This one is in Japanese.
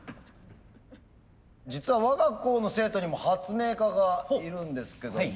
実は我が校の生徒にも発明家がいるんですけども。